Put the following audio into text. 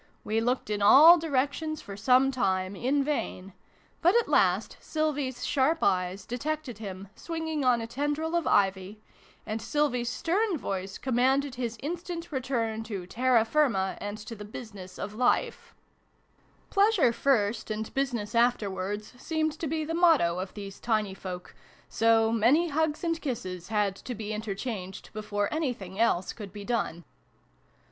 we looked in all directions, for some time, In vain ; but at last Sylvie's sharp eyes detected him, swinging on a tendril of ivy, and Sylvie's stern voice commanded his instant return to terra firma and to the business of Life. I] BRUNO'S LESSONS. 9 "Pleasure first and business afterwards" seemed to be the motto of these tiny folk, so many hugs and kisses had to be interchanged before anything else could be done.